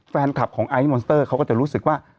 แฟนคลับของไอซ์มอนเตอร์เขาก็จะรู้สึกว่า